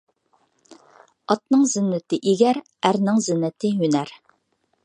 ئاتنىڭ زىننىتى _ ئىگەر، ئەرنىڭ زىننىتى _ ھۈنەر.